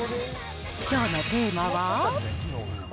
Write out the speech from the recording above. きょうのテーマは？